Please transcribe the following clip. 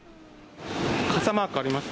傘マークありました。